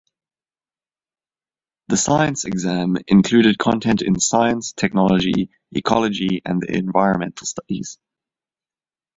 The Science exam included content in science, technology, ecology and the environmental studies.